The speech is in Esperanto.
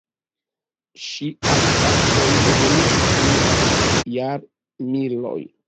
Ŝiaj taskoj evoluis dum la jarmiloj.